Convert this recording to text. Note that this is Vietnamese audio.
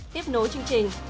tiếp nối chương trình